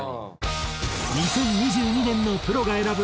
２０２２年のプロが選ぶ